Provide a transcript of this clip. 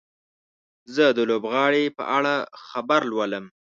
زه د لوبغاړي په اړه خبر لولم.